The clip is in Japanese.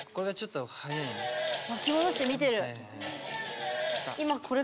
巻き戻して見てる。